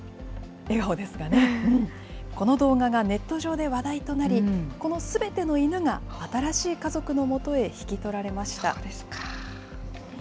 この動画がネット上で話題となり、このすべての犬が新しい家族のもとへ引き取られました。